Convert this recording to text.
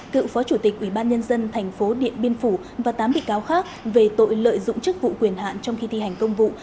cựu phó chủ tịch ủy ban nhân dân thành phố điện biên phủ và tám bị cáo khác về tội lợi dụng chức vụ quyền hạn trong khi thi hành công vụ